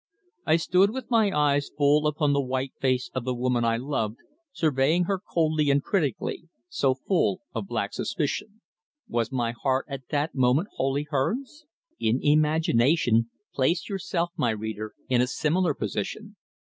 I stood with my eyes full upon the white face of the woman I loved, surveying her coldly and critically, so full of black suspicion. Was my heart at that moment wholly hers? In imagination, place yourself, my reader, in a similar position.